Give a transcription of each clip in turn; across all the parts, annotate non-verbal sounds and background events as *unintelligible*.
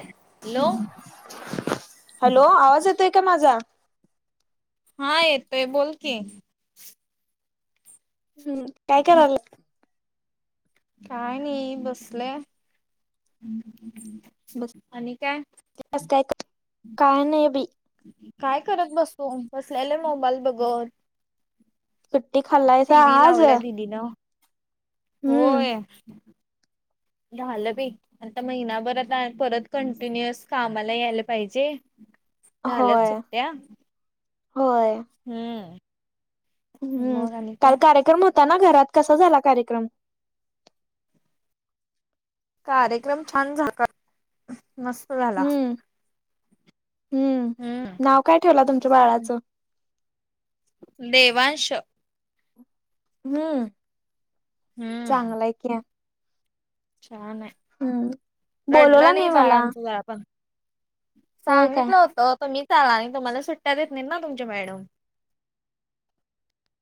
Hello hello आवाज येतोय का माझा? हा येतोय बोल की. हम्म काय करायला? काय नाही बसलोय आणि काय? *unintelligible* काही का नाही बी काय करत बसु बसलेले मोबाईल बघत. सुट्टी खाल्लायसा टी व्ही आज? लावल्या दिदीन हम्म होय झालं बी. आता महिनाभर आता परत कंटिन्युअस कामाला यायला पाहिजे. झाल्यात होय होय हम्म हम्म काल कार्यक्रम होता ना घरात कसा झाला कार्यक्रम. कार्यक्रम छान झाला मस्त. झाला हम्म हम्म हम्म नाव काय ठेवला तुमच्या बाळाचं? देवांश हम्म हम्म चांगला आहे कि छान आहे बोलवला रडलं नाही बाळ मला *unintelligible* होय काय सांगितलं होत तुम्ही आला आणि तुम्हाला सुट्ट्या देत नाही ना तुमच्या मॅडम.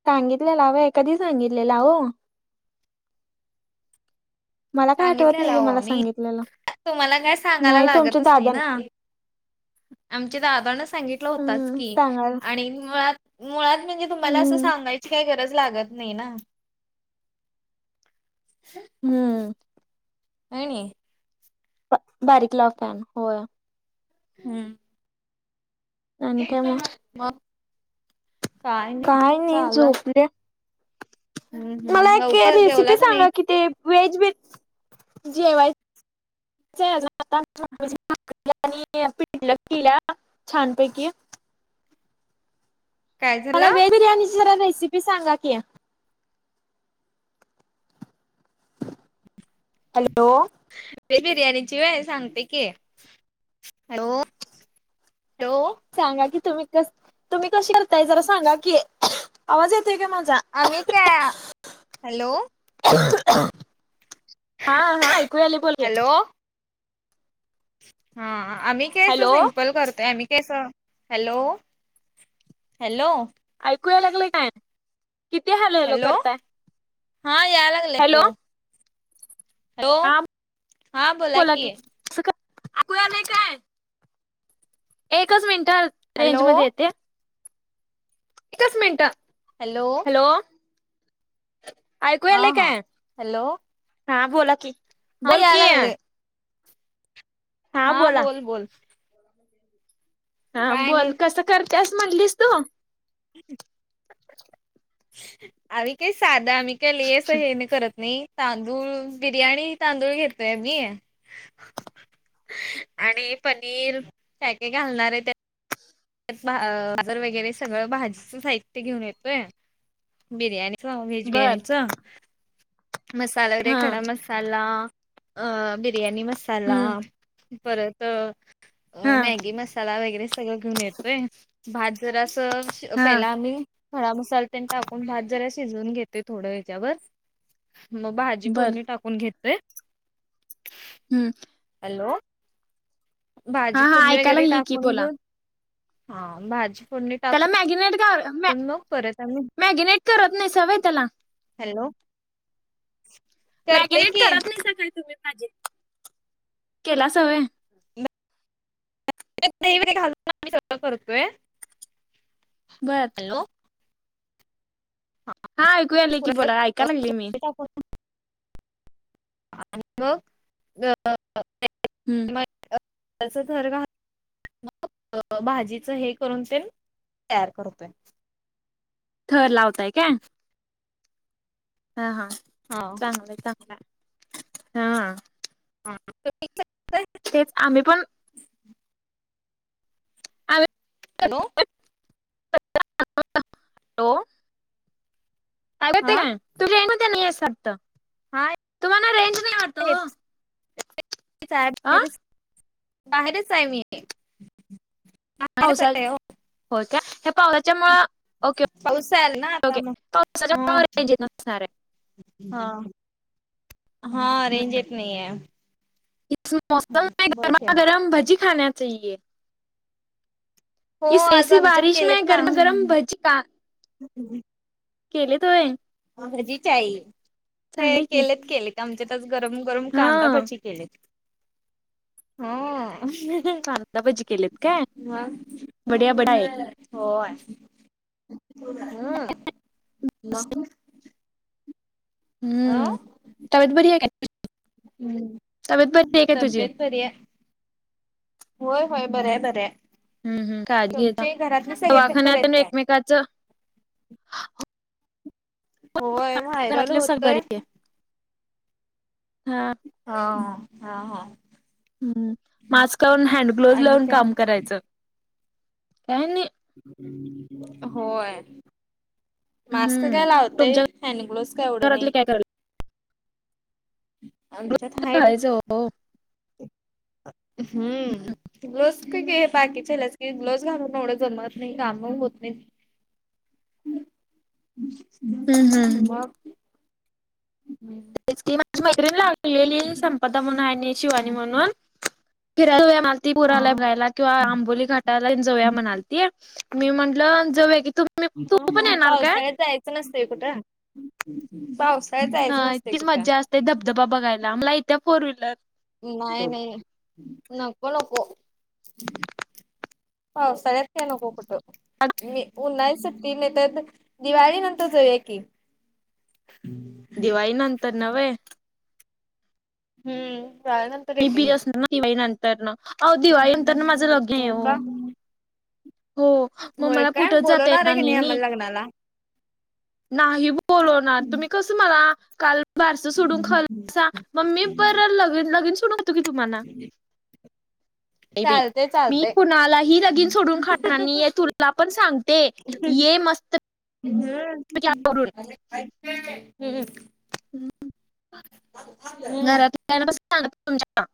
सांगितलेला हो कधी सांगितलेला हो. मला काय आठवत नाही सांगितलेला की अहो मला आम्ही सांगितलेलं. तुम्हाला काय सांगायला नाही तुमच्या लागतच नाही दादानी ना. आमच्या दादान सांगितलं होताच हम्म की सांगायला आणि मुळात मुळात म्हणजे तुम्हाला असं हम्म सांगायची काही गरज लागत नाही ना. ह *inaudible* हम्म आणि बारीक लाव फॅन होय. हम्म आणि काय मग *unintelligible* मग काय नाही झोपल्याले हम्म मला हम्म एक लवकर जेवला रेसिपी का नाही सांगा किती? व्हेज व्हेज जेवा *unintelligible* पिटलं केला छान पैकी. काय मला झालं वेज बिर्याणीची जरा रेसिपी सांगा की हॅलो ते बिर्याणीची व सांगते की हॅलो हो सांगा की तुम्ही कस तुम्ही कसे करताय जरा सांगा की आवाज येतोय का माझा आम्ही काय हॅलो हा हा ऐकू आली बोल हॅलो हा आम्ही कायस हॅलो सिम्पल करतोय आम्ही कस हॅलो हॅलो ऐकूया लागलं काय किती हल हलो हॅलो करताय. हा याय लागलकू ह बोला की काय ऐकू यायलय काय एकच मिनिटा हॅलो रेंजमध्येध्ये येते. एकच मिनिटं हॅलो हॅलो ऐकू हा आलाय हा काय हॅलो हा बोला की हा बोल याय कि लागले हा बोला बोल बोल हा काय आणि बोल कसं करते अस म्हणलीस तू ह *inaudible* आम्ही काही साधा आम्ही काय लि असं हे नाही करत नाही तांदूळ बिर्याणी तांदूळ घेतोय मी आणि पनीर पॅके घालणार आहे त बाजर वगैरे सगळं भाजीच साहित्य घेऊन येतोय बिर्याणी च वेहेज बिर्याणी बर च मसाला वगैरे हा खडा मसाला अ बिर्याणी मसाला हम्म परत अ हा मॅगी मसाला वगैरे सगळं घेऊन येतोय भात जरा असं हा पहिला आम्ही हड मसा त्यांनी टाकून भात जरा शिजवून घेते थोडं ह्याच्यावर मग भाजी बर फोडणी टाकून घेतय हम्म हॅलो हा भाजी हा फोडणी ऐकायला वगैरे लागली की टाकून बोला घेऊन हा भाजी फोडणी टाक त्याला मॅगिनेट घर पन मग, परत आम्ही मॅगिनेट करत नाही सा वय त्याला. हॅलो करते मॅगिनेट की करत नाही स काही तुम्ही माझे केला सवय ा आम्ही सगळं करतोय. बरं हॅलो हा, ऐकू या आले की बोला,, ऐकाय लागलीय मी. आणि मग अ *unintelligible* हम्म आस थर घालून मग भाजीच हे करून तेन, तयार करतोय. थर लावताय काय हा हा हो चांगलंय चांगलाय,, हां हा *unintelligible* तेच आम्ही पण हॅलो. हॅलो आवाज एतोय हा काय? तुम्ही रेंजमध्ये नाहीये असं वाटतं हा तुम्हाला रेंज नाही वाटत. ओ. *unintelligible* अ बाहेरच आहे मी. बाहेरच आहे पावसाळ्यात हो. होय काय हे. *unintelligible* त्याच्यामुळ ओके पाऊस आला ना आता ओके मग हा पावसाच्या *unintelligible* रेंज नसनारे. हा हा हम्म. रेंज येत नाही आहे. इस मौसम मे की गरमा गरम भजी खाना चाहीए. हो आज ऐसी आमच्यात बारिश में केलेत ना. गरमा गरम भजी का केलेत व्हय. भजी चाई हे चांगले की केलेत केलेत आमच्यात आज गरम वरून हा कांदाभची केलेत हं. हम्म कांदा भजी केलेत काय मग. बढिया बढा आहे. *unintelligible* होय हम्म मग. हम्म अं? तब्येत बरी आहे काय तब्येत बरी हाय काय तुझी? तब्येत बरी ये. होय होय बरिय बरीय. हम्म हम्म काळजी घेणा सगळे पण बरे दवाखान्यात आहेत काय एकमेकाचं. *unintelligible* होय व्हायरल घरातले सगळे होतय. बरे आहे. हा. हा हा हा हा. हम्म मास्क लावून हँड ग्लोवज आणि लावून काय? काम करायचं काय नाही. होय. मास्क हम्म काय लावतय तुमच्या हँड ग्लोवस काय एवढं घरातले नाही. काय करायला आमच्यात हायत कायचं *unintelligible* हो. हम्म ती ग्लोस काही काही हे बाकीच्याल्याच की ग्लोवज घालून एवढं जमत नाही कामं होत नाही. हम्म हम्म मग. हम्म. तेच की माझी मैत्रीण लागलेली संपदा म्हणून हाय ने शिवानी म्हणून फिरायल. *unintelligible* ती हा पुणला *unintelligible* किंवा आंबोली घाटाला जाऊया म्हणाल ती मी म्हटलं जावूया की तु- - अ हा पावसाळ्यात जायचं नसतंय कुठ. पावसाळ्यातं जायचं नसतय कुठ. ते धबधबा बघायला आमला येत्या फोर व्हीलर. नाही नाही नको नको. पावसाळ्यात काय नको कुठं. मी उन्हाळी सुट्टी नाही त त दिवाळी नंतर जाऊया की. हम्म. दिवाळी नंतर नव्हें हम्मं कळालं. मी बी *unintelligible* असणार ना दिवाळी नंतर नं अं दिवाळी नंतर नं माझं लग्न ये हो ओ. का? हो मग होय मला काय कुठेच जाता बोलवणार आहे येणार की नाही नी. आम्हाला लग्नाला? नाही बोलवणार ना तुम्ही कस मला कालं *unintelligible* बारस सोडून खाल्लं सा. मग मी बरं लगीन लगीन सोडवतो की तुम्हाला *unintelligible* नाही बई. चालतय मी चालतय. कुणालाही लगिन सोडून खाणारं नाही ये तुला पण सांगते ये मस्त *unintelligible* *unintelligible* *unintelligible* हम्म. हम्मं *unintelligible* *unintelligible* घरातल्या सांगितलय तुमच्याकड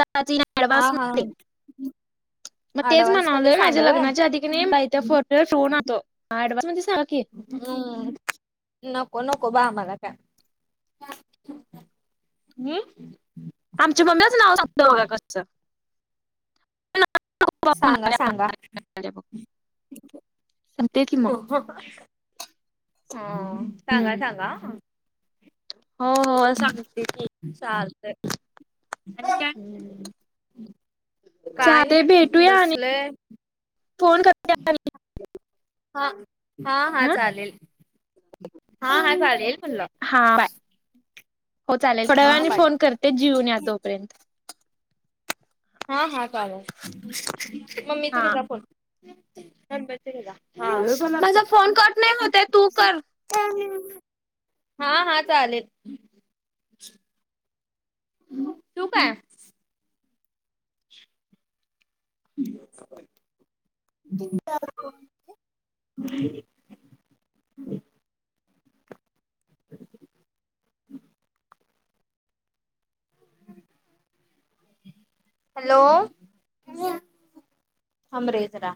आता हा कस हा *unintelligible* म तेच ऍडव्हान्स मध्ये म्हणालोय माझ्या सांगू व्हय? लग्नाच्या आधी कणी तोडा सोनातो ऍडवास म्हणजे सांग की. - हम्म्ं नको नको बा आम्हाला कायं? *unintelligible* हंम्ं. आमच्या मम्मी लाच नाव सागतो, बघा कसचं सांगा. सांगा. बघ सांगते की *unintelligible* मग हा हा सांगा, सांगा हों हों ओ सांगते की चालतय. आणि काय काय चालतंय नाही भेटूया आणि बसलोय. फोन करते हां. हां हां आणि हा चालेल, हां हां चालेल म्हणलं. हां बाय, हो चालेलं थोड्या हा वेळाने बाय फोन करते, जीऊन यात. - तोपर्यंत. हा हा चालेल, मम्मीचा घे हा जा फोन, *unintelligible* घेजा हा माझा फोन कट नाही होत हाय तू करं. *inaudible* हां हां चालेल. ठेवू काय? *unintelligible* हॅलो, ए थांबरे जरा.